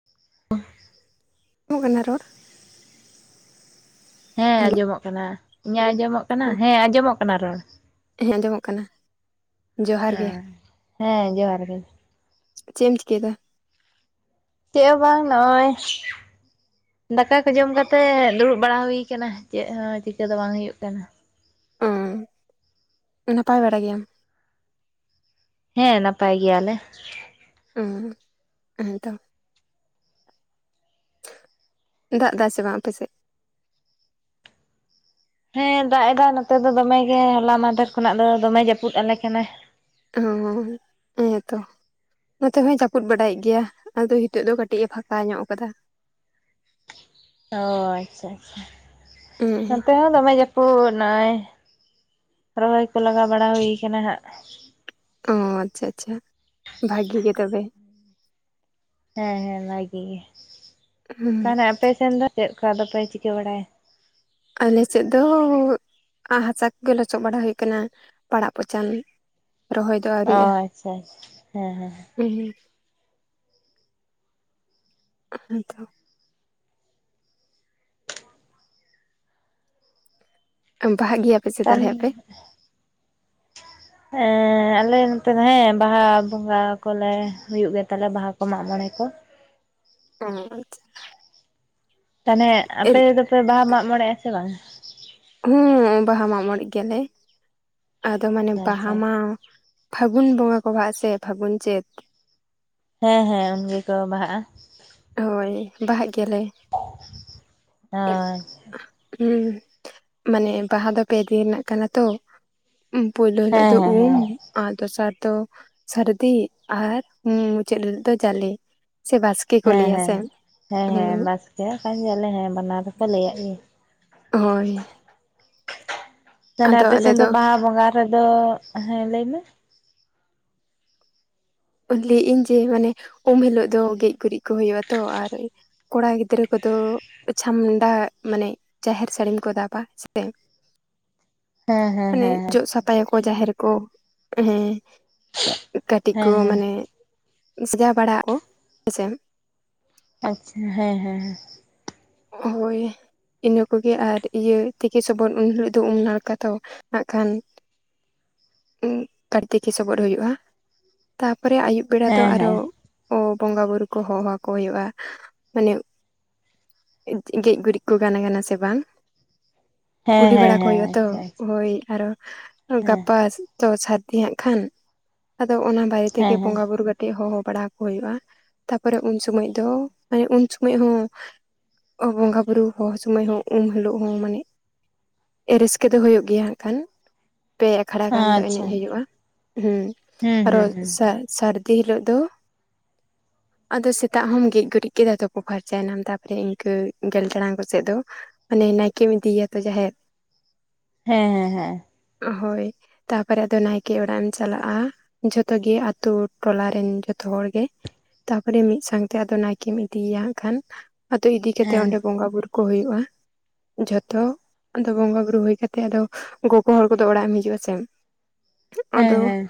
[unintelligible] ᱧᱚᱜ ᱠᱟᱱᱟ ᱨᱚᱲ ᱦᱮᱸ ᱦᱮᱞᱳ ᱟᱸᱡᱚᱢᱚᱜ ᱠᱟᱱᱟ ᱤᱧᱟᱹᱜ ᱟᱸᱡᱚᱢᱚᱜ ᱠᱟᱱᱟ [unintelligible] ᱦᱮᱸ ᱟᱸᱡᱚᱢᱚᱜ ᱠᱟᱱᱟ ᱨᱚᱲ ᱦᱮᱸ ᱟᱸᱡᱚᱢᱚᱜ ᱠᱟᱱᱟ ᱡᱚᱦᱟᱨ ᱦᱮᱸ ᱜᱮ ᱦᱮᱸ ᱡᱚᱦᱟᱨ ᱜᱮ ᱪᱮᱫ ᱮᱢ ᱪᱤᱠᱟᱹᱭᱮᱫᱟ ᱪᱮᱜ ᱦᱚᱸ ᱵᱟᱝ ᱱᱚᱜᱼᱚᱭ ᱫᱟᱠᱟ ᱠᱚ ᱡᱚᱢ ᱠᱟᱛᱮ ᱫᱩᱲᱩᱵ ᱵᱟᱲᱟ ᱦᱩᱭ ᱟᱠᱟᱱᱟ ᱪᱮᱫ ᱦᱚᱸ ᱪᱤᱠᱟᱹ ᱫᱚ ᱵᱟᱝ ᱦᱩᱭᱩᱜ ᱠᱟᱱᱟ ᱱᱟᱯᱟᱭ ᱵᱟᱲᱟ ᱜᱮᱭᱟᱢ ᱦᱮᱸ ᱱᱟᱯᱟᱭ ᱜᱮᱭᱟᱞᱮ ᱩᱸ [unintelligible] ᱫᱟᱜ ᱮᱫᱟᱭ ᱥᱮ ᱵᱟᱝ ᱟᱯᱮᱥᱮᱫ ᱦᱮᱸ ᱫᱟᱜ ᱮᱫᱟᱭ ᱱᱚᱛᱮ ᱫᱚ ᱫᱚᱢᱮ ᱜᱮ ᱦᱚᱞᱟ ᱢᱟᱫᱷᱮᱨ ᱠᱷᱚᱱᱟᱜ ᱫᱚ ᱫᱚᱢᱮ ᱡᱟᱹᱯᱩᱫ ᱟᱞᱮ ᱠᱟᱱᱟᱭ ᱚᱻ ᱦᱮᱸ ᱛᱚ ᱱᱚᱛᱮ ᱦᱚᱸᱭ ᱡᱟᱯᱩᱫ ᱵᱟᱲᱟᱭᱮᱫ ᱜᱮᱭᱟ ᱟᱫᱚ ᱦᱤᱛᱚᱜ ᱫᱚ ᱠᱟᱹᱴᱤᱡ ᱮ ᱯᱷᱟᱸᱠᱟ ᱧᱚᱜ ᱠᱟᱫᱟ ᱚ ᱟᱪᱪᱷᱟ ᱟᱪᱷᱟ ᱦᱮᱸ, ᱱᱚᱛᱮ ᱦᱚᱸ ᱫᱚᱢᱮ ᱡᱟᱹᱯᱩᱫ ᱱᱚᱜᱼᱚᱭ ᱨᱚᱦᱚᱭ ᱠᱚ ᱞᱟᱜᱟ ᱵᱟᱲᱟ ᱦᱩᱭ ᱠᱟᱱᱟ ᱦᱟᱸᱜ ᱚ ᱟᱪᱪᱷᱟ ᱟᱪᱪᱷᱟ ᱵᱷᱟᱜᱤ ᱜᱮ ᱛᱚᱵᱮ ᱦᱮᱸ ᱦᱮᱸ ᱵᱷᱟᱜᱤ ᱜᱮ ᱦᱩᱸ, ᱛᱟᱦᱚᱞᱮ ᱟᱯᱮ ᱥᱮᱱ ᱫᱚ ᱪᱮᱫ ᱠᱳ ᱟᱫᱚ ᱯᱮ ᱪᱤᱠᱟᱹ ᱵᱟᱲᱟᱭᱟ ᱟᱞᱮᱥᱮᱫ ᱫᱚ ᱦᱟᱥᱟ ᱠᱚᱜᱮ ᱞᱚᱪᱚᱜ ᱵᱟᱲᱟ ᱦᱩᱭᱩᱜ ᱠᱟᱱᱟ ᱯᱟᱲᱟᱜ ᱯᱚᱪᱟᱱ ᱨᱚᱦᱚᱭ ᱫᱚ ᱟᱹᱣᱨᱤᱜᱼᱟ ᱟᱪᱪᱷᱟ ᱟᱪ ᱦᱮᱸ ᱦᱮᱸ [inaudible] [unintelligible] ᱵᱟᱦᱟᱜ ᱜᱮᱭᱟ ᱛᱟᱱ ᱦᱮ ᱟᱞᱮ ᱱᱚᱛᱮ ᱫᱚ ᱦᱮᱸ ᱵᱟᱦᱟ ᱵᱚᱸᱜᱟ ᱠᱚᱞᱮ ᱦᱩᱭᱩᱜ ᱜᱮ ᱛᱟᱞᱮ ᱵᱟᱦᱟ ᱠᱚ ᱢᱟᱜ ᱢᱚᱬᱮ ᱠᱚ ᱚᱸ [unintelligible] ᱛᱟᱦᱚᱞᱮ ᱟᱯᱮ ᱫᱚᱯᱮ ᱵᱟᱦᱟ ᱢᱟᱜ ᱢᱚᱬᱮᱜᱼᱟ ᱥᱮ ᱵᱟᱝ-ᱟ ᱦᱮᱸ ᱵᱟᱦᱟ ᱢᱟᱜ ᱢᱚᱬᱮᱜ ᱜᱮᱭᱟᱞᱮ ᱟᱫᱚ ᱢᱟᱱᱮ ᱟᱪᱪᱷᱟ ᱵᱟᱦᱟ ᱟᱪᱪᱷᱟ ᱢᱟ ᱯᱷᱟᱹᱜᱩᱱ ᱵᱚᱸᱜᱟ ᱠᱚ ᱵᱟᱦᱟ ᱟ ᱥᱮ ᱯᱷᱟᱹᱜᱩᱱ ᱪᱟᱹᱫ ᱦᱮᱸ ᱦᱮᱸ ᱩᱱ ᱜᱮᱠᱚ ᱵᱟᱦᱟᱜᱼᱟ ᱦᱳᱭ ᱵᱟᱦᱟᱜ ᱜᱮᱭᱟᱞᱮ [inaudible] ᱮᱸ ᱦᱩ ᱢᱟᱱᱮ ᱵᱟᱦᱟ ᱫᱚ ᱯᱮ ᱫᱤᱱ ᱨᱮᱱᱟᱜ ᱠᱟᱱᱟ ᱛᱚ ᱯᱳᱭᱞᱳ ᱦᱤᱞᱳᱜ ᱦᱮᱸ ᱫᱚ ᱦᱮᱸ ᱩᱢ ᱦᱮᱸ ᱾ ᱟᱨ ᱫᱚᱥᱟᱨ ᱫᱚ ᱥᱟᱹᱨᱫᱤ ᱟᱨ ᱢᱩᱪᱟᱹᱫ ᱦᱤᱞᱳᱜ ᱫᱚ ᱡᱟᱞᱮ ᱥᱮ ᱵᱟᱥᱠᱮ ᱾ ᱪᱮᱫ ᱠᱚ ᱞᱟᱹᱭᱟᱥᱮ ᱦᱩᱹ ᱦᱮᱸᱠᱟᱱ ᱜᱮᱭᱟᱞᱮ ᱦᱮᱸ ᱵᱟᱱᱟᱨ ᱫᱚᱯᱮ ᱞᱟᱹᱭᱟᱜ ᱜᱮᱭᱟ ᱾ ᱦᱳᱭ ᱛᱟᱦᱚᱞᱮ ᱟᱫᱚ ᱟᱞᱮ ᱟᱯᱮᱥᱮᱱ ᱫᱚ ᱵᱟᱦᱟ ᱵᱚᱸᱜᱟ ᱨᱮᱫᱚ ᱦᱮᱸ ᱞᱟᱹᱭ ᱢᱮᱻ ᱞᱟᱹᱭ ᱮᱜ ᱤᱧ ᱡᱮ ᱢᱟᱱᱮ ᱩᱢ ᱦᱤᱞᱳᱜ ᱫᱚ ᱜᱮᱡ ᱜᱩᱨᱤᱡ ᱠᱚ ᱦᱩᱭᱩᱜᱼᱟ ᱛᱚ ᱟᱨ ᱠᱚᱲᱟ ᱜᱤᱫᱽᱨᱟᱹ ᱠᱚᱫᱚ ᱪᱷᱟᱢᱰᱟ ᱢᱟᱱᱮ ᱡᱟᱦᱮᱨ ᱥᱟᱹᱲᱤᱢ ᱠᱚ ᱫᱟᱵᱟ ᱥᱮ ᱦᱮᱸ ᱦᱮᱸ ᱢᱟᱱᱮ ᱦᱮᱸ ᱡᱚᱜ ᱥᱟᱯᱷᱟᱭᱟ ᱠᱚᱻ ᱠᱚ ᱡᱟᱦᱮᱨ ᱠᱚ ᱦᱮᱸ ᱠᱟᱹᱴᱤᱡ ᱮ ᱥᱟᱡᱟᱜ ᱵᱟᱲᱟ ᱟᱵᱚ ᱦᱮᱸᱥᱮ ᱟᱪᱪᱷᱟ ᱦᱮᱸ ᱦᱮᱸ ᱦᱳᱭ ᱤᱱᱟᱹ ᱠᱚᱜᱮ ᱟᱨ ᱤᱭᱟᱹ ᱛᱤᱠᱤ ᱥᱚᱵᱚᱫᱽ ᱩᱱ ᱦᱤᱞᱳᱜ ᱫᱚ ᱩᱢ ᱱᱟᱲᱠᱟ ᱫᱚ ᱦᱟᱸᱜ ᱠᱷᱟᱱ ᱠᱟᱨᱛᱤᱠᱤ ᱥᱚᱵᱚᱫ ᱦᱩᱭᱩᱜᱼᱟ ᱛᱟᱯᱚᱨᱮ ᱟᱹᱭᱩᱵ ᱵᱮᱲᱟ ᱟᱪᱪᱷᱟ ᱫᱚ ᱦᱮᱸ ᱟᱨᱦᱚ ᱦᱮᱸ ᱵᱚᱸᱜᱟ ᱵᱩᱨᱩ ᱠᱚ ᱦᱚᱦᱚ ᱟᱠᱚ ᱦᱩᱭᱩᱜᱼᱟ ᱢᱟᱱᱮ ᱜᱮᱡ ᱜᱩᱨᱤᱡ ᱠᱚ ᱜᱟᱱ ᱠᱟᱱᱟ ᱥᱮ ᱵᱟᱝ ᱦᱮᱸ ᱠᱩᱞᱤ ᱦᱮᱸ ᱵᱟᱲᱟ ᱦᱮᱸ ᱦᱮᱸ ᱦᱮᱸ ᱠᱚ ᱦᱮᱸ ᱦᱩᱭᱩᱜ ᱟ ᱛᱚ ᱟᱪᱪᱷᱟ ᱟᱪᱪᱷᱟ ᱦᱳᱭ ᱟᱨ ᱦᱚᱸ ᱦᱮᱸ ᱜᱟᱯᱟ ᱛᱚ ᱥᱟᱨᱫᱤ ᱦᱟᱜ ᱠᱷᱟᱱ ᱟᱫᱚ ᱚᱱᱟ ᱵᱟᱨᱮ ᱛᱮᱜᱮ ᱦᱮᱸ ᱦᱮᱸ ᱵᱚᱸᱜᱟ ᱵᱩᱨᱩ ᱠᱟᱛᱮᱫ ᱟᱨ ᱦᱚᱦᱚ ᱵᱟᱲᱟ ᱠᱚ ᱦᱩᱭᱩᱜᱼᱟ ᱛᱟᱨᱯᱚᱨᱮ ᱩᱱ ᱥᱚᱢᱚᱭ ᱫᱚ ᱢᱟᱱᱮ ᱩᱱ ᱥᱚᱢᱚᱭ ᱦᱚᱸ ᱵᱚᱸᱜᱟ ᱵᱩᱨᱩ ᱦᱚᱦᱚ ᱥᱚᱢᱚᱭ ᱦᱚᱸ ᱩᱱᱢ ᱦᱤᱞᱳᱜ ᱦᱚᱸ ᱢᱟᱱᱮ ᱨᱟᱹᱥᱠᱟᱹ ᱫᱚ ᱦᱩᱭᱩᱜ ᱜᱮᱭᱟ ᱦᱟᱸᱜ ᱠᱷᱟᱱ ᱾ ᱯᱮ ᱟᱠᱷᱲᱟ ᱜᱟᱱ ᱫᱚ ᱟᱪᱪᱷᱟ ᱮᱱᱮᱡ ᱦᱩᱭᱩᱜᱼᱟ ᱦᱮ ᱦᱩᱸ ᱟᱨᱦᱚ ᱦᱩᱸ ᱦᱩᱸ ᱥᱟᱨᱫᱤ ᱡᱮ ᱦᱤᱞᱚᱜ ᱫᱚ ᱟᱫᱚ ᱥᱮᱛᱟᱜ ᱦᱚᱢ ᱜᱮᱡ ᱜᱩᱨᱤᱡ ᱠᱮᱫᱟ ᱛᱩᱯᱩ ᱯᱷᱟᱨᱪᱟᱭᱱᱟᱢ ᱛᱟᱢ ᱮ ᱤᱱᱠᱟᱹ ᱜᱮᱞ ᱴᱟᱲᱟᱝ ᱠᱚᱥᱮᱫ ᱫᱚ ᱢᱟᱱᱮ ᱱᱟᱭᱠᱮᱢ ᱤᱫᱤᱭᱮᱭᱟ ᱛᱚ ᱡᱟᱹᱦᱮᱨ ᱦᱮᱸ ᱦᱮᱸ ᱦᱮᱸ ᱦᱳᱭ ᱛᱟᱯᱚᱨᱮ ᱟᱫᱚ ᱱᱟᱭᱠᱮ ᱚᱲᱟᱜ ᱮᱢ ᱪᱟᱞᱟᱜᱼᱟ ᱾ ᱡᱷᱚᱛᱚ ᱜᱮ ᱟᱛᱳ ᱴᱚᱞᱟᱨᱮᱱ ᱡᱚᱛᱚ ᱦᱚᱲ ᱜᱮ ᱾ ᱛᱟᱯᱚᱨᱮ ᱢᱤᱫ ᱥᱟᱶᱛᱮ ᱟᱫᱚ ᱱᱟᱭᱠᱮᱢ ᱤᱫᱤᱭᱮᱭᱟ ᱦᱟᱸᱜ ᱠᱷᱟᱱ ᱟᱫᱚ ᱤᱫᱤ ᱠᱟᱛᱮ ᱚᱱᱰᱮ ᱦᱮᱸ ᱵᱚᱸᱜᱟ ᱵᱩᱨᱩ ᱠᱚ ᱦᱩᱭᱩᱜᱼᱟ ᱾ ᱡᱷᱚᱛᱚ ᱟᱫᱚ ᱵᱚᱸᱜᱟ ᱵᱩᱨᱩ ᱦᱩᱭ ᱠᱟᱛᱮᱜ ᱟᱫᱚ ᱜᱚᱜᱚ ᱦᱚᱲ ᱠᱚᱫᱚ ᱚᱲᱟᱜ ᱮᱢ ᱦᱤᱡᱩᱜ ᱟ ᱥᱮ ᱾ ᱦᱮᱸ ᱟᱫᱚ ᱦᱮᱸ ᱦᱮᱸ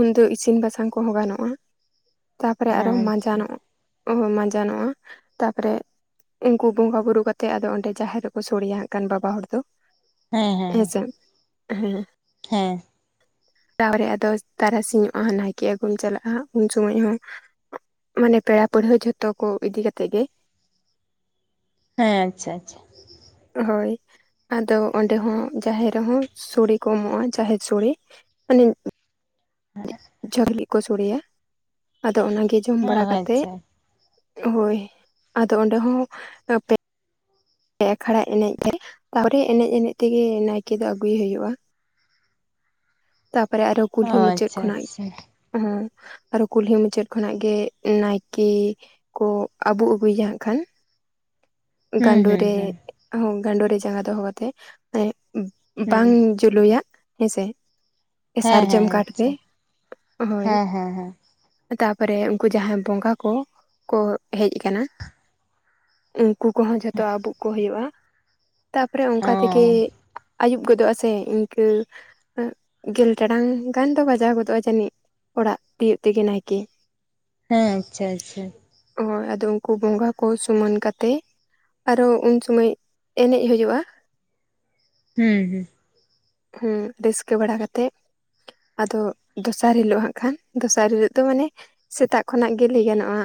ᱩᱱᱫᱚ ᱤᱥᱤᱱ ᱵᱟᱥᱟᱝ ᱠᱚᱦᱚᱸ ᱜᱟᱱᱚᱜᱼᱟ ᱾ ᱛᱟᱯᱚᱨᱮ ᱟᱨᱦᱚ ᱟᱪᱪᱷᱟ ᱢᱟᱸᱡᱟᱱᱚᱜᱼᱟ ᱢᱟᱸᱡᱟᱱᱚᱜᱼᱟ ᱛᱟᱯᱚᱨᱮᱻ ᱩᱱᱠᱩ ᱵᱚᱸᱜᱟ ᱵᱩᱨᱩ ᱠᱟᱛᱮᱫ ᱟᱫᱚ ᱚᱸᱰᱮ ᱡᱟᱦᱮᱨ ᱨᱮᱠᱚ ᱥᱳᱲᱮᱭᱟ ᱦᱟᱸᱜ ᱠᱟᱱ ᱵᱟᱵᱟ ᱦᱚᱲ ᱫᱚᱻ ᱦᱮᱸ ᱦᱮᱸ ᱦᱮᱸᱥᱮᱫ ᱦᱮᱸᱻ ᱦᱮᱸ ᱛᱟᱦᱚᱞᱮ ᱟᱫᱳ ᱛᱟᱨᱟᱥᱤᱧᱚᱜᱼᱟ ᱱᱟᱭᱠᱮ ᱟᱹᱜᱩᱢ ᱪᱟᱞᱟᱜᱼᱟ ᱩᱱ ᱥᱚᱢᱚᱭ ᱦᱚᱸᱻ ᱢᱟᱱᱮ ᱯᱮᱲᱟ ᱯᱟᱹᱲᱦᱟᱹ ᱡᱷᱚᱛᱚ ᱠᱚ ᱤᱫᱤ ᱠᱟᱛᱮᱫ ᱜᱮ ᱾ ᱦᱮᱸ ᱟᱪᱪᱷᱟ ᱟᱪᱪᱷᱟ ᱦᱳᱭ ᱟᱫᱚ ᱚᱸᱰᱮ ᱦᱚᱸ ᱡᱟᱦᱮᱨ ᱨᱮᱦᱚᱸ ᱥᱚᱲᱮ ᱠᱚ ᱮᱢᱚᱜᱼᱟ ᱡᱟᱦᱮᱨ ᱥᱚᱲᱮ ᱢᱟᱱᱮ ᱦᱮᱸ ᱡᱷᱟᱹᱞ ᱜᱮ ᱠᱚ ᱥᱚᱲᱮᱭᱟ ᱟᱫᱚ ᱚᱱᱟᱜᱮ ᱡᱚᱢ ᱵᱟᱲᱟ ᱠᱟᱛᱮᱜ ᱟᱪᱪᱷᱟ ᱦᱳᱭ ᱟᱫᱚ ᱚᱸᱰᱮ ᱦᱚᱸᱻ ᱯᱮ ᱟᱠᱷᱲᱟ ᱮᱱᱮᱡ ᱨᱮ ᱛᱟᱨᱯᱚᱨ ᱮᱱᱮᱡᱻ ᱮᱱᱮᱡ ᱛᱮᱜᱮ ᱱᱟᱭᱠᱮ ᱫᱚ ᱟᱹᱜᱩᱭ ᱦᱩᱭᱩᱜᱼᱟ ᱾ ᱛᱟᱨᱯᱚᱨᱮ ᱟᱨᱦᱚ ᱚ ᱠᱩᱞᱦᱤ ᱢᱩᱪᱟᱹᱫ ᱟᱪᱪᱷᱟ ᱠᱷᱚᱱᱟᱜ ᱟᱪᱪᱷᱟ ᱦᱚᱸ ᱟᱨᱦᱚᱸ ᱠᱩᱞᱦᱤ ᱢᱩᱪᱟᱹᱫ ᱠᱷᱚᱱᱟᱜ ᱜᱮ ᱱᱟᱭᱠᱮ ᱠᱚ ᱟᱹᱵᱩ ᱟᱹᱜᱩᱭᱟ ᱦᱟᱸᱜ ᱠᱷᱟᱱ ᱦᱩᱸ ᱜᱟᱸᱰᱳ ᱦᱩᱸ ᱨᱮ ᱦᱩᱸ ᱜᱟᱸᱰᱳ ᱨᱮ ᱡᱟᱸᱜᱟ ᱫᱚᱦᱚ ᱠᱟᱛᱮᱫ ᱛᱮ ᱻ ᱵᱟᱝ ᱦᱩᱸ ᱡᱩᱞᱩᱭᱟᱜ ᱦᱮᱸᱥᱮᱻ ᱦᱮᱸ ᱥᱟᱨᱡᱚᱢ ᱦᱮᱸ ᱠᱟᱴ ᱛᱮ ᱟᱪᱪᱷᱟ ᱦᱳᱭ ᱦᱮᱸ ᱦᱮᱸ ᱦᱮᱸ ᱛᱟᱯᱚᱨᱮ ᱩᱱᱠᱩ ᱡᱟᱦᱟᱸ ᱵᱚᱸᱜᱟ ᱠᱚ ᱠᱚ ᱦᱮᱡ ᱟᱠᱟᱱᱟ ᱩᱱᱠᱩ ᱠᱚᱦᱚᱸ ᱡᱷᱚᱛᱚ ᱟᱵᱩᱜ ᱠᱚ ᱦᱩᱭᱩᱜᱼᱟ ᱛᱟᱯᱚᱨᱮ ᱚᱱᱠᱟ ᱚ ᱛᱮᱜᱮ ᱟᱹᱭᱩᱵ ᱜᱚᱫᱚᱜᱼᱟ ᱥᱮ ᱤᱱᱠᱟᱹ ᱜᱮᱞ ᱴᱟᱲᱟᱝ ᱜᱟᱱ ᱫᱚ ᱵᱟᱡᱟᱣ ᱜᱚᱫᱚᱜᱼᱟ ᱡᱟᱹᱱᱤᱡ ᱚᱲᱟᱜ ᱛᱤᱭᱳᱜ ᱛᱮᱜᱮ ᱱᱟᱭᱠᱮ ᱦᱮᱸ ᱟᱪᱪᱷᱟ ᱟᱪᱪᱷᱟ ᱦᱳᱭ ᱟᱫᱚ ᱩᱱᱠᱩ ᱵᱚᱸᱜᱟ ᱠᱚ ᱥᱩᱢᱟᱱ ᱠᱟᱛᱮᱜ ᱟᱨᱚ ᱩᱱ ᱥᱳᱢᱟᱹᱭ ᱮᱱᱮᱡ ᱦᱳᱭᱳᱜᱼᱟ ᱦᱩᱸ ᱦᱩᱸ ᱦᱮᱸ ᱨᱟᱹᱥᱠᱟᱹ ᱵᱟᱲᱟ ᱠᱟᱛᱮᱫ ᱟᱫᱚ ᱫᱚᱥᱟᱨ ᱦᱤᱞᱳᱜ ᱦᱟᱸᱜ ᱠᱷᱟᱱ ᱫᱚᱥᱟᱨ ᱦᱤᱞᱳᱜ ᱫᱚ ᱢᱟᱱᱮ ᱥᱮᱛᱟᱜ ᱠᱷᱚᱱᱟᱜ ᱜᱮ ᱞᱟᱹᱭ ᱜᱟᱱᱚᱜᱼᱟ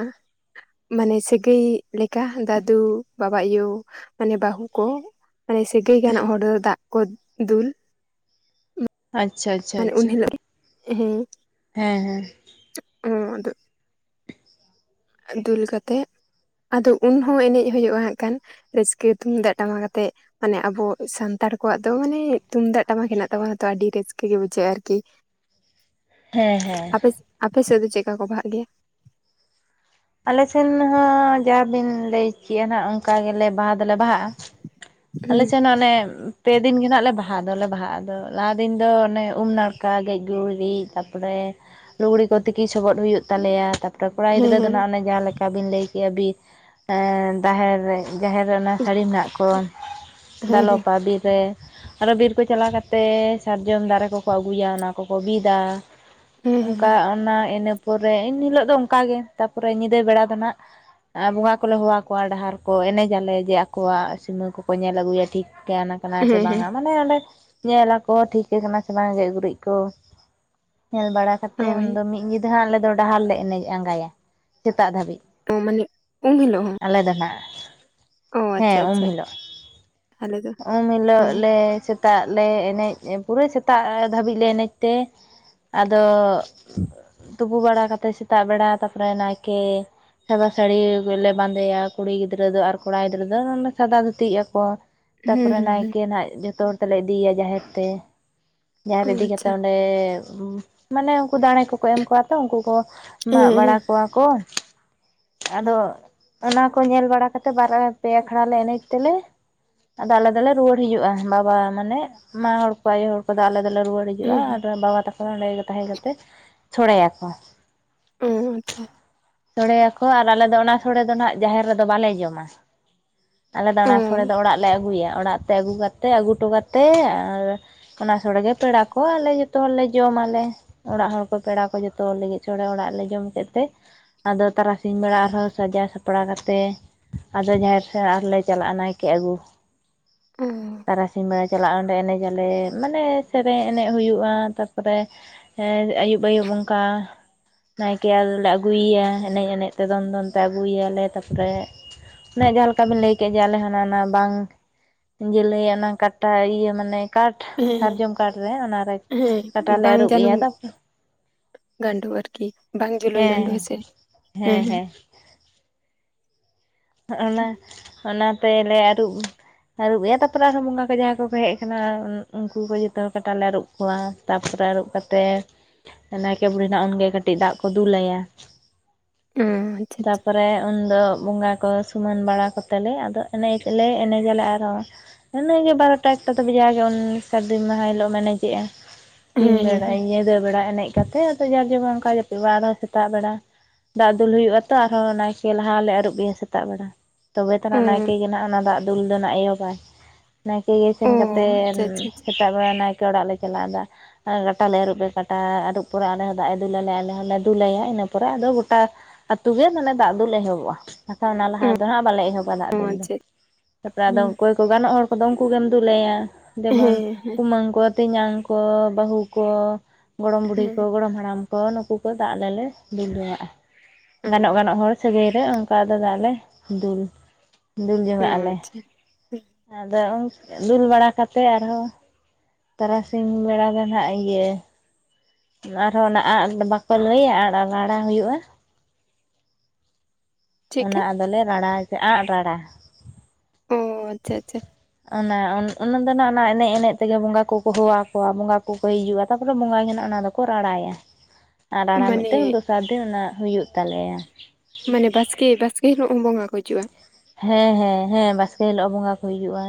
ᱢᱟᱱᱮ [unintelligible] ᱞᱮᱠᱟ ᱫᱟᱫᱩ ᱵᱟᱵᱟ ᱟᱭᱳ ᱢᱟᱱᱮ ᱵᱟᱹᱦᱩ ᱠᱚ ᱢᱟᱱᱮ ᱥᱟᱹᱜᱟᱹᱭ ᱜᱟᱱᱚᱜ ᱦᱚᱲ ᱫᱚ ᱫᱟᱜ ᱠᱚ ᱫᱩᱞ ᱟᱪᱪᱷᱟ ᱟᱪᱷᱟ ᱢᱟᱱᱮ ᱩᱱ ᱦᱤᱞᱳᱜ - ᱦᱮᱸ ᱦᱮᱸ ᱦᱮᱸ [unintelligible] ᱟᱫᱚ ᱫᱩᱞ ᱠᱟᱛᱮᱜ ᱟᱫᱚ ᱩᱱᱦᱚᱸ ᱮᱱᱮᱡ ᱦᱩᱭᱩᱜᱼᱟ ᱦᱟᱸᱜ ᱠᱟᱱ ᱨᱟᱹᱥᱠᱟᱹ ᱛᱩᱢᱫᱟᱜ ᱴᱟᱢᱟᱠ ᱟᱛᱮᱫ ᱢᱟᱱᱮ ᱟᱵᱚ ᱥᱟᱱᱛᱟᱲ ᱠᱚᱣᱟᱜ ᱫᱚ ᱢᱟᱱᱮ ᱛᱩᱢᱫᱟᱜ ᱴᱟᱢᱟᱠ ᱦᱮᱱᱟᱜ ᱛᱟᱵᱚᱱᱟ ᱛᱚ ᱟᱹᱰᱤ ᱨᱟᱹᱥᱠᱟᱹ ᱜᱮ ᱵᱩᱡᱷᱟᱹᱜᱼᱟ ᱟᱨᱠᱤ [inaudible] ᱦᱮᱸ ᱟᱯᱮ ᱟᱯᱮ ᱥᱮᱫ ᱫᱚ ᱪᱮᱫᱠᱟ ᱠᱚ ᱵᱟᱦᱟᱜ ᱜᱮᱭᱟ ᱟᱞᱮ ᱥᱮᱱ ᱦᱚᱸ ᱡᱟ ᱵᱤᱱ ᱞᱟᱹᱭ ᱠᱮᱜᱼᱟ ᱱᱟᱜ ᱚᱱᱠᱟ ᱜᱮᱞᱮ ᱵᱟᱦᱟ ᱫᱚᱞᱮ ᱵᱟᱦᱟᱜᱼᱟ ᱟᱞᱮ ᱦᱮᱸ ᱥᱮᱱ ᱚᱱᱮ ᱯᱮ ᱫᱤᱱ ᱜᱮ ᱱᱟᱜ ᱵᱟᱦᱟ ᱫᱚᱞᱮ ᱵᱟᱦᱟᱜ ᱟᱫᱚ ᱞᱟᱦᱟ ᱫᱤᱱ ᱫᱚ ᱚᱱᱮ ᱩᱢ ᱱᱟᱲᱠᱟ ᱜᱮᱡ ᱜᱩᱨᱤᱡ ᱛᱟᱯᱚᱨᱮ ᱞᱩᱜᱽᱲᱤ ᱠᱚ ᱛᱤᱠᱤ ᱥᱚᱵᱚᱫ ᱦᱩᱭᱩᱜ ᱛᱟᱞᱮᱭᱟ ᱛᱟ ᱼᱼ ᱛᱚ ᱠᱚᱲᱟ ᱦᱮᱸ ᱜᱤᱫᱽᱨᱟᱹ ᱫᱚ ᱱᱟᱦᱟᱜ ᱚᱱᱮ ᱡᱟᱦᱟᱸᱞᱮᱠᱟ ᱵᱤᱱ ᱞᱟᱹᱭ ᱠᱮᱜᱼᱟ ᱵᱤ [unintelligible] ᱫᱟᱦᱮᱨ ᱨᱮ ᱡᱟᱦᱮᱨ ᱨᱮ ᱚᱱᱟ ᱥᱟᱹᱲᱤᱢ ᱨᱮᱱᱟᱜ ᱠᱚ ᱦᱮᱸ ᱦᱮᱸ ᱫᱟᱞᱚᱵᱟ ᱵᱤᱨ ᱨᱮ ᱟᱨᱚ ᱵᱤᱨ ᱠᱚ ᱪᱟᱞᱟᱣ ᱠᱟᱛᱮᱫ ᱥᱟᱨᱡᱚᱢ ᱫᱟᱨᱮ ᱠᱚᱠᱚ ᱟᱹᱜᱩᱭᱟ ᱚᱱᱟ ᱠᱚᱠᱚ ᱵᱤᱫᱟ ᱦᱮᱸ ᱦᱮᱸ ᱚᱱᱠᱟ ᱚᱱᱟ ᱤᱱᱟᱹ ᱯᱚᱨᱮ ᱮᱱᱦᱤᱞᱳᱜ ᱫᱚ ᱚᱱᱠᱟᱜᱮ ᱛᱟᱨᱯᱚᱨᱮ ᱧᱤᱫᱟᱹ ᱵᱮᱲᱟ ᱫᱚ ᱱᱟᱜ ᱟᱨ ᱵᱚᱸᱜᱟ ᱠᱚᱞᱮ ᱦᱚᱦᱚᱣᱟ ᱠᱚᱣᱟ ᱰᱟᱦᱟᱨ ᱠᱚ ᱮᱱᱮᱡᱟᱞᱮ ᱡᱮ ᱟᱠᱚᱣᱟᱜ ᱥᱤᱢᱟᱹ ᱠᱚ ᱠᱚ ᱧᱮᱞ ᱟᱹᱜᱩᱭᱟ ᱴᱷᱤᱠ ᱜᱟᱱᱠᱟᱱᱟ ᱦᱮᱸ ᱥᱮ ᱦᱮᱸ ᱦᱮᱸ ᱵᱟᱝᱟ ᱢᱟᱱᱮ ᱚᱸᱰᱮ ᱧᱮᱞ ᱟᱠᱚ ᱴᱷᱤᱠ ᱠᱟᱱᱟ ᱥᱮ ᱵᱟᱝ ᱜᱮᱡ ᱜᱩᱨᱤᱡ ᱠᱚ ᱧᱮᱞ ᱵᱟᱲᱟ ᱠᱟᱛᱮ ᱦᱳᱭ ᱩᱱᱫᱚ ᱢᱤᱫ ᱧᱤᱫᱽ ᱼᱼ ᱡᱟᱦᱟᱸ ᱟᱞᱮ ᱫᱚ ᱰᱟᱦᱟᱨ ᱞᱮ ᱮᱱᱮᱡ ᱟᱸᱜᱟᱭᱟ ᱥᱮᱛᱟᱜ ᱫᱷᱟᱹᱵᱤᱡ ᱚ ᱢᱟᱱᱮ ᱩᱢ ᱦᱤᱞᱳᱜ ᱦᱚᱸ ᱟᱞᱮ ᱫᱚ ᱱᱟᱦᱟᱜ ᱚ ᱟᱪᱪᱷᱟ ᱦᱮᱸ ᱩᱢ ᱟᱪᱪᱷᱟ ᱦᱤᱞᱳᱜ ᱟᱞᱮ ᱫᱚ ᱩᱢ ᱚ ᱦᱤᱞᱳᱜ ᱞᱮ ᱥᱮᱛᱟᱜ ᱞᱮ ᱮᱱᱮᱡ ᱯᱩᱨᱟᱹ ᱥᱮᱛᱟᱜ ᱫᱷᱟᱹᱵᱤᱡ ᱞᱮ ᱮᱱᱮᱡ ᱛᱮ ᱟᱫᱚ ᱛᱩᱯᱩ ᱵᱟᱲᱟ ᱠᱟᱛᱮᱫ ᱥᱮᱛᱟᱜ ᱵᱮᱲᱟ ᱛᱟᱨᱯᱚᱨᱮ ᱱᱟᱭᱠᱮ ᱥᱟᱫᱟ ᱥᱟᱹᱲᱤᱞᱮ ᱵᱟᱸᱫᱮᱭᱟ ᱠᱩᱲᱤ ᱜᱤᱫᱽᱨᱟᱹ ᱫᱚ ᱟᱨ ᱠᱚᱲᱟ ᱜᱤᱫᱽᱨᱟᱹ ᱫᱚ ᱥᱟᱫᱟ ᱫᱷᱩᱛᱤᱜ ᱟᱠᱚ ᱦᱮᱸ ᱛᱟᱨᱯᱚᱨᱮ ᱦᱮᱸ ᱦᱮᱸ ᱱᱟᱭᱠᱮ ᱱᱟᱜ ᱡᱚᱛᱚ ᱦᱚᱲ ᱛᱮᱞᱮ ᱤᱫᱤᱭᱮᱭᱟ ᱡᱟᱦᱮᱨ ᱛᱮ᱾ ᱡᱟᱦᱮᱨ ᱚ ᱤᱫᱤ ᱟᱪᱪᱷᱟ ᱠᱟᱛᱮᱜ ᱚᱸᱰᱮ ᱢᱟᱱᱮ ᱩᱱᱠᱩ ᱫᱟᱲᱮ ᱠᱚᱠᱚ ᱮᱢ ᱠᱚᱣᱟ ᱛᱚ ᱩᱱᱠᱩ ᱠᱚ ᱦᱮᱸ ᱢᱟᱜ ᱵᱟᱲᱟ ᱦᱮᱸ ᱠᱚᱣᱟ ᱠᱚ ᱟᱫᱚ ᱚᱱᱟᱠᱚ ᱧᱮᱞ ᱵᱟᱲᱟ ᱠᱟᱛᱮᱫ ᱵᱟᱨ ᱯᱮ ᱟᱠᱷᱲᱟ ᱞᱮ ᱮᱱᱮᱡ ᱛᱮᱞᱮ ᱟᱫᱚ ᱟᱞᱮ ᱫᱚᱞᱮ ᱨᱩᱣᱟᱹᱲ ᱦᱤᱡᱩᱜᱼᱟ ᱵᱟᱵᱟ ᱢᱟᱱᱮ ᱢᱟ ᱦᱚᱲ ᱠᱚ ᱟᱭᱳ ᱦᱚᱲ ᱠᱚᱫᱚ ᱟᱞᱮ ᱫᱚᱞᱮ ᱨᱩᱣᱟᱹᱲ ᱤᱡᱩᱜᱼᱟ ᱦᱮᱸ ᱟᱨ ᱦᱮᱸ ᱵᱟᱵᱟ ᱛᱟᱠᱚ ᱫᱚ ᱚᱸᱰᱮ ᱜᱮ ᱛᱟᱦᱮᱸ ᱠᱟᱛᱮ ᱪᱷᱚᱲᱮᱭᱟᱠᱚ ᱚᱸ ᱟᱪᱪᱷᱟ ᱥᱚᱲᱮᱭᱟᱠᱚ ᱟᱨ ᱟᱞᱮ ᱫᱚ ᱚᱱᱟ ᱥᱚᱲᱮ ᱫᱚ ᱱᱟᱜ ᱡᱟᱦᱮᱨ ᱨᱮᱫᱚ ᱵᱟᱞᱮ ᱡᱚᱢᱟ ᱟᱞᱮ ᱫᱚ ᱚ ᱚᱱᱟ ᱥᱳᱲᱮ ᱫᱚ ᱚ ᱚᱲᱟᱜ ᱞᱮ ᱟᱹᱜᱩᱭᱟ ᱚᱲᱟᱜ ᱛᱮ ᱟᱹᱜᱩ ᱠᱟᱛᱮᱫ ᱟᱹᱜᱩ ᱦᱚᱴᱚ ᱠᱟᱛᱮᱫ ᱟᱨ ᱚᱱᱟ ᱥᱚᱲᱮᱜᱮ ᱯᱮᱲᱟ ᱠᱚ ᱟᱞᱮ ᱡᱚᱛᱚ ᱦᱚᱲᱞᱮ ᱡᱚᱢ ᱟᱞᱮ ᱚᱲᱟᱜ ᱦᱚᱲ ᱠᱚ ᱯᱮᱲᱟ ᱠᱚ ᱡᱚᱛᱚ ᱞᱟᱹᱜᱤᱫ ᱥᱚᱲᱮ ᱚᱲᱟᱜ ᱞᱮ ᱡᱚᱢ ᱠᱮᱫ ᱛᱮ ᱟᱫᱚ ᱛᱟᱨᱟᱥᱤᱧ ᱵᱮᱲᱟ ᱟᱨᱦᱚᱸ ᱥᱟᱡᱟᱣ ᱥᱟᱯᱲᱟᱣ ᱠᱟᱛᱮᱜ ᱾ ᱟᱫᱚ ᱡᱟᱦᱮᱨ ᱥᱮ ᱟᱨᱞᱮ ᱦᱚᱸ ᱪᱟᱞᱟᱜᱼᱟ ᱱᱟᱭᱠᱮ ᱟᱹᱜᱩ᱾ ᱚᱸᱻ ᱛᱟᱨᱟᱥᱤᱧ ᱵᱮᱲᱟ ᱪᱟᱞᱟᱜᱼᱟ ᱚᱸᱰᱮ ᱮᱱᱮᱡᱟᱞᱮ ᱢᱟᱱᱮ ᱥᱮᱨᱮᱧ ᱮᱱᱮᱡ ᱦᱩᱭᱩᱜᱼᱟ ᱛᱟᱨᱯᱚᱨᱮ ᱦᱮᱸ ᱟᱹᱭᱩᱵ ᱟᱹᱭᱩᱵ ᱚᱝᱠᱟ ᱾ ᱱᱟᱭᱠᱮ ᱟᱞᱮ ᱞᱮ ᱟᱹᱜᱩᱭᱮᱭᱟ ᱮᱱᱮᱡ ᱮᱱᱮᱡ ᱛᱮ ᱫᱚᱱ ᱫᱚᱱ ᱛᱮ ᱟᱹᱜᱩᱭᱮᱭᱟᱞᱮ ᱛᱟᱨᱯᱚᱨᱮ ᱚᱱᱮ ᱡᱟᱦᱟᱸ ᱞᱮᱠᱟ ᱵᱤᱱ ᱞᱟᱹᱭ ᱠᱮ ᱡᱮ ᱟᱞᱮ ᱦᱚᱱᱟ ᱱᱟ ᱵᱟᱝ ᱡᱮ ᱞᱟᱹᱭᱟ ᱚᱱᱟ ᱠᱟᱴᱟ ᱤᱭᱟᱹ ᱢᱟᱱᱮ ᱾ ᱠᱟᱴ ᱦᱮᱸ ᱥᱟᱨᱡᱚᱢ ᱠᱟᱴ ᱨᱮ ᱚᱱᱟᱨᱮ ᱦᱮᱸ ᱠᱟᱴᱟᱞᱮ ᱟᱨᱩᱵᱮᱭᱟ ᱨᱮ ᱜᱟᱸᱰᱚ ᱟᱨᱠᱤ ᱵᱟᱝ ᱡᱩᱞᱩᱭ ᱜᱟᱸᱰᱳ ᱦᱮᱸ ᱦᱮᱸᱥᱮ ᱦᱮᱸ ᱦᱮᱸ ᱚᱱᱟ ᱚᱱᱟ ᱛᱮᱞᱮ ᱟᱹᱨᱩᱵ ᱟᱹᱨᱩᱵ ᱮᱭᱟ ᱛᱟᱯᱚᱨᱮ ᱟᱨᱦᱚᱸ ᱵᱚᱸᱜᱟ ᱠᱚ ᱡᱟᱦᱟᱸᱭ ᱠᱚᱠᱚ ᱦᱮᱡ ᱟᱠᱟᱱᱟ ᱩᱱᱠᱩ ᱠᱚ ᱡᱚᱛᱚ ᱠᱟᱴᱟᱞᱮ ᱟᱹᱨᱩᱵ ᱠᱚᱣᱟ ᱛᱟᱨᱯᱚᱨᱮ ᱟᱹᱨᱩᱵ ᱠᱟᱛᱮ ᱱᱟᱭᱠᱮ ᱵᱩᱲᱤ ᱱᱟᱜ ᱩᱱᱜᱮ ᱠᱟᱹᱴᱤᱡ ᱫᱟᱜ ᱠᱚ ᱫᱩᱞ ᱟᱭᱟ ᱦᱩᱸ ᱟᱪᱪᱷᱟ ᱟᱪᱪᱷᱟ ᱾ ᱛᱟᱨᱯᱚᱨᱮ ᱩᱱᱫᱚ ᱵᱚᱸᱜᱟ ᱠᱚ ᱥᱩᱢᱟᱱ ᱞᱟᱲᱟ ᱠᱚᱛᱮ ᱞᱮ, ᱟᱫᱚ ᱮᱱᱮᱡᱞᱮ ᱮᱱᱮᱡᱟᱞᱮ ᱟᱨᱦᱚᱸ᱾ ᱤᱱᱟᱹᱜ ᱜᱮ ᱵᱟᱨᱚᱴᱟ ᱮᱠᱴᱟ ᱫᱷᱟᱵᱤᱡ ᱡᱟ-ᱜᱮ ᱥᱟᱹᱨᱫᱤ ᱢᱟᱦᱟ ᱦᱤᱞᱳᱜ ᱮᱱᱮᱡᱮᱜᱼᱟ᱾ ᱛᱤᱱ ᱦᱮᱸ ᱵᱮᱲᱟ ᱦᱮᱸ ᱧᱤᱫᱟᱹ ᱵᱮᱲᱟ ᱮᱱᱮᱡ ᱠᱟᱛᱮ ᱟᱫ ᱡᱟᱨ ᱡᱮᱢᱚᱱ ᱚᱱᱠᱟ ᱜᱮ ᱡᱟᱹᱯᱤᱫ ᱵᱟᱲᱟ ᱥᱮᱛᱟᱜ ᱵᱮᱲᱟ ᱫᱟᱜ ᱫᱩᱞ ᱦᱩᱭᱩᱜᱼᱟ ᱛᱚ ᱟᱨᱦᱚᱸ ᱱᱟᱭᱠᱮ ᱞᱟᱦᱟᱞᱮ ᱟᱹᱨᱩᱵᱤᱭᱟ ᱾ ᱥᱮᱛᱟᱜ ᱵᱮᱲᱟ ᱛᱚᱵᱮ ᱛᱚᱱᱟᱜ ᱱᱟᱭᱠᱮ ᱦᱮᱸ ᱜᱮ ᱱᱟᱜ ᱚᱱᱟ ᱫᱟᱜ ᱫᱩᱞ ᱫᱚᱭ ᱱᱟᱜ ᱮᱵᱚᱵᱟᱭ ᱱᱟᱭᱠᱮ ᱜᱮ ᱚ ᱚ ᱥᱮᱱ ᱠᱟᱛᱮᱱ ᱟᱪᱪᱷᱟ ᱟᱪᱪᱷᱟ ᱟᱪᱪᱷᱟ ᱥᱮᱛᱟᱜ ᱵᱮᱲᱟ ᱱᱟᱭᱠᱮ ᱚᱲᱟᱜ ᱞᱮ ᱪᱟᱞᱟ ᱫᱟ ᱠᱟᱴᱟᱞᱮ ᱟᱹᱨᱩᱵ ᱮᱭᱟ ᱠᱟᱴᱟ ᱟᱹᱨᱩᱵ ᱯᱚᱨᱮ ᱟᱞᱮ ᱦᱚᱸ ᱫᱟᱜ ᱮ ᱫᱩᱞ ᱟᱞᱮᱭᱟ ᱟᱞᱮ ᱦᱚᱸᱞᱮ ᱫᱩᱞ ᱟᱭᱟ ᱤᱱᱟᱹ ᱯᱚᱨᱮ ᱟᱫᱚ ᱜᱚᱴᱟ ᱾ ᱟᱹᱛᱩ ᱜᱮ ᱢᱟᱱᱮ ᱫᱟᱜ ᱫᱩᱞ ᱮᱦᱚᱵᱚᱜᱼᱟ᱾ ᱚᱱᱟ ᱞᱟᱦᱟ ᱨᱮᱫᱚ ᱦᱟᱜ ᱵᱟᱞᱮ ᱮᱦᱚᱵᱟ ᱫᱟᱜ ᱚ ᱫᱩᱞ ᱫᱚ᱾ ᱟᱪᱪᱷᱟ ᱛᱟᱨᱯᱚᱨᱮ ᱦᱮᱸ ᱟᱫᱚ ᱜᱟᱱᱚᱜ ᱦᱚᱲ ᱠᱚᱫᱚ ᱩᱱᱠᱩ ᱜᱮᱢ ᱫᱩᱞᱟᱹᱭᱟ ᱡᱮᱢᱚᱱ ᱦᱮᱸ ᱠᱩᱩᱢᱟᱹᱝᱠᱚ ᱛᱮᱧᱟᱝ ᱠᱚ ᱵᱟᱹᱦᱩ ᱠᱚ ᱜᱚᱲᱚᱢ ᱵᱩᱰᱦᱤ ᱠᱚ ᱦᱮᱸ ᱜᱚᱲᱚᱢ ᱦᱟᱲᱟᱢ ᱠᱚ ᱱᱩᱠᱩ ᱠᱚ ᱫᱟᱜᱞᱮ ᱫᱩᱞᱡᱚᱜᱟᱼᱟ ᱜᱟᱱᱚᱜ ᱦᱮᱸ ᱜᱟᱱᱚᱜ ᱦᱚᱲ ᱥᱟᱹᱜᱟᱹᱭ ᱨᱮ ᱚᱱᱠᱟ ᱫᱟᱜ ᱞᱮ ᱫᱩᱞ ᱫᱩᱞ ᱡᱚᱸᱝ-ᱟ ᱚ ᱟᱞᱮ ᱟᱪᱪᱷᱟ ᱦᱮᱸ ᱟᱫᱚ ᱫᱩᱞ ᱵᱟᱲᱟ ᱠᱟᱛᱮᱫ ᱟᱨᱦᱚᱸ ᱛᱟᱨᱟᱥᱤᱧ ᱵᱮᱲᱟ ᱫᱚ ᱱᱟᱦᱟᱜ ᱤᱭᱟᱹ ᱟᱨᱦᱚᱸ ᱚᱱᱟ ᱟᱜ ᱵᱟᱠᱚ ᱞᱟᱹᱭᱟ ᱟᱜ ᱨᱟᱲᱟ ᱦᱩᱭᱩᱜᱼᱟ ᱾ ᱪᱮᱫ ᱚᱱᱟ ᱠᱟ ᱟᱫᱚᱞᱮ ᱨᱟᱲᱟ ᱟᱸᱜ ᱨᱟᱲᱟ ᱾ ᱚ ᱟᱪᱪᱷᱟ ᱟᱪᱪᱷᱟ ᱾ ᱚᱱᱟ ᱚᱱᱟ ᱫᱚ ᱱᱟᱦᱟᱜ ᱚᱱᱟ ᱮᱱᱮᱡ ᱮᱱᱮᱡ ᱛᱮᱜᱮ ᱵᱚᱸᱜᱟ ᱠᱚᱠᱚ ᱦᱚᱦᱚᱣᱟᱠᱚᱣᱟ ᱵᱚᱸᱜᱟ ᱠᱚᱠᱚ ᱦᱤᱡᱩᱜᱼᱟ ᱛᱟᱯᱚᱨᱮ ᱵᱚᱸᱜᱟ ᱜᱮ ᱱᱟᱜ ᱚᱱᱟ ᱫᱚ ᱠᱚ ᱨᱟᱲᱟᱭᱟ ᱟᱨ ᱨᱟᱲᱟ ᱢᱟᱱᱮ ᱢᱤᱫᱴᱟᱝ ᱫᱚᱥᱟᱨ ᱫᱤᱱ ᱚᱱᱟ ᱦᱩᱭᱩᱜ ᱛᱟᱞᱮᱭᱟ᱾ ᱢᱟᱱᱮ ᱵᱟᱥᱠᱮ ᱵᱟᱥᱠᱮ ᱦᱤᱞᱚᱜᱩᱢ ᱵᱚᱸᱜᱟ ᱠᱚ ᱦᱤᱡᱩᱜ ᱼᱟ᱾ ᱦᱮᱸ ᱦᱮᱸ ᱦᱮᱸ ᱵᱟᱥᱠᱮ ᱦᱤᱞᱳᱜ ᱵᱚᱸᱜᱟ ᱠᱚ ᱦᱤᱡᱩᱜᱼᱟ᱾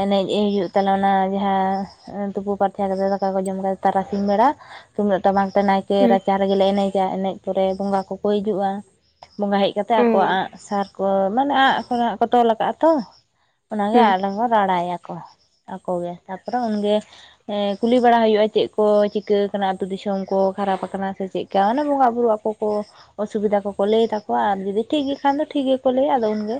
ᱮᱱᱮᱡ ᱦᱩᱭᱩᱜ ᱛᱟᱞᱮ ᱚᱱᱟ ᱡᱟᱦᱟᱸ ᱛᱩᱯᱩ ᱯᱟᱨᱪᱟ ᱠᱟᱛᱮ ᱫᱟᱠᱟ ᱠᱚ ᱡᱚᱢ ᱠᱟᱛᱮ ᱛᱟᱨᱟᱥᱤᱧ ᱵᱮᱲᱟ ᱛᱩᱢᱫᱟᱜ ᱴᱟᱢᱟᱠ ᱛᱮ ᱱᱟᱭᱠᱮ ᱮ ᱦᱮᱸ ᱨᱟᱪᱟ ᱨᱮᱜᱮᱞᱮ ᱮᱱᱮᱡᱟ ᱮᱱᱮᱡ ᱯᱚᱨᱮ ᱵᱚᱸᱜᱟ ᱠᱚᱠᱚ ᱦᱤᱡᱩᱜᱼᱟ ᱾ ᱵᱚᱸᱜᱟ ᱦᱮᱡ ᱠᱟᱛᱮᱜ ᱚ ᱟᱠᱚᱣᱟᱜ ᱟᱸᱜ ᱥᱟᱨ ᱠᱚ ᱢᱟᱱᱮ ᱟᱸᱜ ᱠᱷᱚᱱᱟᱜ ᱠᱚ ᱛᱚᱞ ᱠᱟᱜᱼᱟ ᱛᱚ ᱾ ᱚᱱᱟᱜᱮ ᱦᱮᱸ ᱟᱨᱦᱚᱸ ᱨᱟᱲᱟᱭᱟᱠᱚ ᱟᱠᱚᱜᱮ ᱛᱟᱯᱚᱨᱮ ᱩᱱᱜᱮ ᱮᱸᱻ ᱠᱩᱞᱤ ᱵᱟᱲᱟ ᱦᱩᱭᱩᱼᱟ ᱪᱮᱫ ᱠᱚ ᱪᱤᱠᱟᱹ ᱠᱟᱱᱟ ᱟᱛᱚ ᱫᱤᱥᱚᱢ ᱠᱚ ᱠᱷᱟᱨᱟᱯ ᱟᱠᱟᱱᱟ ᱥᱮ ᱪᱮᱫ ᱾ ᱜᱟᱣᱞᱟ ᱵᱚᱸᱜᱟ ᱵᱩᱨᱩ ᱟᱠᱚ ᱠᱚ ᱚᱥᱩᱵᱤᱫᱟ ᱠᱚᱠᱚ ᱞᱟᱹᱭ ᱛᱟᱠᱚᱣᱟ ᱟᱨ ᱡᱩᱫᱤ ᱴᱷᱤᱠ ᱜᱮ ᱠᱷᱟᱱ ᱫᱚ ᱴᱷᱤᱠ ᱜᱮᱠᱚ ᱞᱟᱹᱭᱟ᱾ ᱟᱫᱚ ᱩᱱᱜᱮ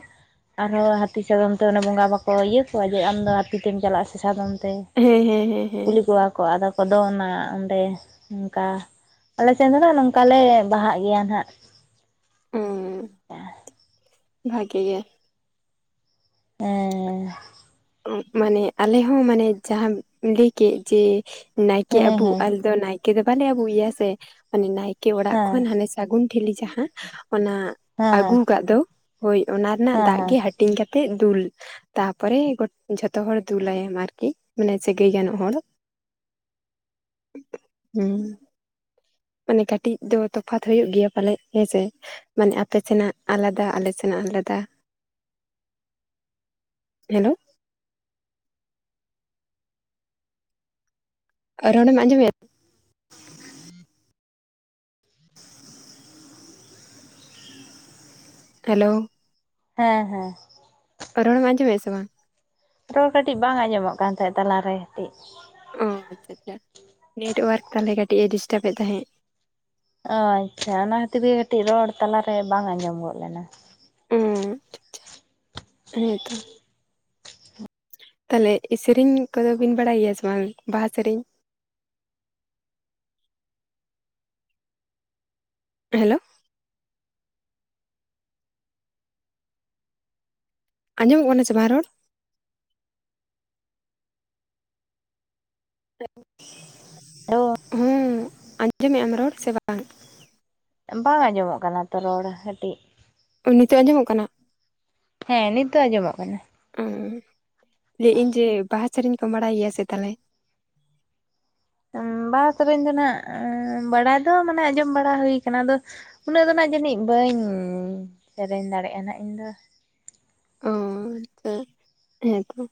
ᱟᱨᱦᱚᱸ ᱦᱟᱹᱛᱤ ᱥᱟᱫᱚᱢ ᱛᱮ ᱚᱱᱮ ᱵᱚᱸᱜᱟ ᱵᱟᱠᱚ ᱤᱭᱟᱹ ᱠᱚᱣᱟ, ᱡᱮ ᱟᱢᱫᱚ ᱦᱟᱹᱛᱤᱛᱮᱢ ᱪᱟᱞᱟᱜᱼᱟ ᱥᱮ ᱥᱟᱫᱚᱢ ᱛᱮ᱾ ᱦᱮᱸ ᱦᱮᱸ ᱦᱮᱸ ᱦᱮᱸ ᱠᱩᱞᱤ ᱠᱚᱣᱟ ᱠᱚ ᱟᱫᱚ ᱠᱚ ᱚᱱᱟ ᱚᱸᱰᱮ ᱚᱱᱠᱟ ᱾ ᱟᱞᱮᱥᱮᱫ ᱫᱚ ᱱᱚᱝᱠᱟ ᱞᱮ ᱵᱟᱦᱟᱜ ᱜᱮᱭᱟ ᱱᱟᱦᱟᱜ ᱦᱮᱸ ᱵᱷᱟᱜᱮ ᱜᱮ ᱮ [inaudible] ᱢᱟᱱᱮ ᱟᱞᱮ ᱦᱚᱸ ᱢᱟᱱᱮ ᱡᱟᱦᱟ ᱞᱟᱹᱭ ᱠᱮᱫ ᱡᱮ ᱱᱟᱭᱠᱮ ᱦᱮᱸ ᱟᱵᱩ ᱦᱮᱸ ᱟᱞᱮ ᱫᱚ ᱱᱟᱭᱠᱮ ᱫᱚ ᱵᱟᱞᱮ ᱟᱵᱩᱭᱮᱭᱟ ᱥᱮ ᱢᱚᱱᱮ ᱱᱟᱭᱠᱮ ᱚᱲᱟᱜ ᱦᱮᱸ ᱠᱷᱚᱱ ᱦᱟᱱᱮ ᱥᱟᱹᱜᱩᱱ ᱴᱷᱤᱞᱤ ᱡᱟᱦᱟᱸ ᱚᱱᱟ ᱦᱮᱸ ᱟᱹᱜᱩ ᱦᱮᱸ ᱟᱠᱟᱫ ᱫᱚ ᱦᱳᱭ ᱚᱱᱟ ᱨᱮᱱᱟᱜ ᱦᱮᱸ ᱫᱟᱜ ᱦᱮᱸ ᱜᱮ ᱦᱟᱹᱴᱤᱧ ᱠᱟᱛᱮᱜ ᱛᱮᱫ ᱫᱩᱞ ᱛᱟᱨᱯᱚᱨᱮ ᱜᱚᱴᱟ ᱡᱷᱚᱛᱚ ᱦᱚᱲ ᱫᱩᱞᱟᱭᱮᱢ ᱟᱨᱠᱤ ᱢᱟᱱᱮ ᱥᱟᱹᱜᱟᱹᱭ ᱜᱟᱱᱚᱜ ᱦᱚᱲ ᱦᱩᱸ ᱢᱟᱱᱮ ᱠᱟᱹᱴᱤᱡ ᱫᱚ ᱛᱚᱯᱷᱟᱛ ᱦᱩᱭᱩᱜᱭ ᱜᱮᱭᱟ ᱯᱟᱞᱮ ᱦᱮᱸᱥᱮ ᱢᱟᱱᱮ ᱟᱯᱮ ᱥᱮᱱᱟᱜ ᱟᱞᱟᱫᱟ ᱟᱞᱮ ᱥᱮᱱᱟᱜ ᱟᱞᱟᱫᱟ ᱦᱮᱞᱳ [unintelligible] ᱨᱚᱲ ᱮᱢ ᱟᱸᱡᱚᱢᱮᱫ ᱟ [unintelligible] ᱦᱮᱞᱳ ᱦᱮᱸ ᱦᱮᱸ ᱨᱚᱲᱮᱢ ᱟᱸᱡᱚᱢ ᱮᱫᱟ ᱥᱮ ᱵᱟᱝ ᱨᱚᱲ ᱠᱟᱹᱴᱤᱡ ᱵᱟᱝ ᱟᱸᱡᱚᱢᱚᱜ ᱠᱟᱱ ᱛᱟᱦᱮᱸᱫ ᱛᱟᱞᱟᱨᱮ ᱠᱟᱹᱴᱤᱡ ᱚᱻ ᱟᱪᱪᱷᱟ ᱟᱪᱪᱷᱟ ᱱᱮᱭᱟᱴᱟᱜ ᱳᱣᱟᱨᱠ ᱛᱟᱦᱚᱞᱮ ᱠᱟᱹᱴᱤᱡ ᱮ ᱰᱤᱥᱴᱟᱵᱮᱫ ᱛᱟᱦᱮᱸᱫ ᱚ ᱟᱪᱪᱷᱟ ᱚᱱᱟ ᱠᱷᱟᱹᱛᱤᱨ ᱜᱮ ᱠᱟᱹᱴᱤᱡ ᱨᱚᱲ ᱛᱟᱞᱟᱨᱮ ᱵᱟᱝ ᱟᱸᱡᱚᱢ ᱜᱚᱫ ᱞᱮᱱᱟ᱾ ᱩᱸ ᱟᱪᱪᱷᱟ ᱟᱪᱪᱷᱟ ᱦᱮᱸ ᱛᱚ ᱛᱟᱦᱚᱞᱮ ᱥᱮᱨᱮᱧ ᱠᱚᱫᱚ ᱵᱤᱱ ᱵᱟᱲᱟᱭ ᱜᱮᱭᱟ ᱥᱮᱵᱟᱝ ᱵᱟᱦᱟ ᱥᱮᱨᱮᱧ ᱦᱮᱞᱳ ᱟᱸᱡᱚᱢᱚᱜ ᱠᱟᱱᱟ ᱥᱮ ᱵᱟᱝ ᱨᱚᱲ ᱦᱩᱸ ᱟᱸᱡᱚᱢᱮᱫ ᱟᱢ ᱨᱚᱲ ᱥᱮ ᱵᱟᱝ ᱵᱟᱝ ᱟᱸᱡᱚᱢᱚᱜ ᱠᱟᱱᱟ ᱛᱚ ᱨᱚᱲ ᱠᱟᱹᱴᱤᱡ ᱱᱤᱛᱚᱜ ᱟᱸᱡᱚᱢᱚᱜ ᱠᱟᱱᱟ ᱦᱮᱸ ᱱᱤᱛ ᱫᱚ ᱟᱸᱡᱚᱢᱚᱜ ᱠᱟᱱᱟ᱾ ᱩᱸ ᱞᱟᱹᱭᱮᱫ ᱟᱹᱧ ᱡᱮ ᱵᱟᱦᱟ ᱥᱮᱨᱮᱧ ᱠᱚᱢ ᱵᱟᱲᱟᱭ ᱜᱮᱭᱟ ᱥᱮ ᱛᱟᱦᱞᱮ ᱵᱟᱦᱟ ᱥᱮᱨᱮᱧ ᱫᱚ ᱱᱟᱸᱜ ᱵᱟᱲᱟᱭ ᱫᱚ ᱢᱟᱱᱮ ᱟᱸᱡᱚᱢ ᱵᱟᱲᱟ ᱦᱩᱭ ᱠᱟᱱᱟ ᱟᱫᱚ ᱩᱱᱟᱹᱜ ᱫᱚ ᱱᱟᱸᱜ ᱡᱟᱹᱱᱤᱡ ᱵᱟᱹᱧ ᱥᱮᱨᱮᱧ ᱫᱟᱲᱮᱭᱟᱜ ᱱᱟᱸᱜ ᱤᱧ ᱫᱚ [unintelligible] ᱦᱮᱸ ᱛᱚ